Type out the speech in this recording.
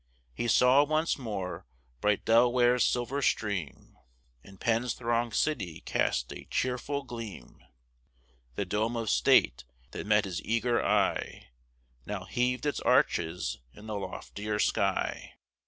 He saw, once more, bright Del'ware's silver stream, And Penn's throng'd city cast a cheerful gleam; The dome of state, that met his eager eye, Now heav'd its arches in a loftier sky.